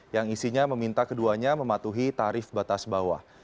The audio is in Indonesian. yang isinya meminta keduanya mematuhi tarif batas bawah